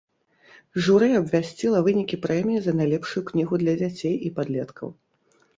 Журы абвясціла вынікі прэміі за найлепшую кнігу для дзяцей і падлеткаў.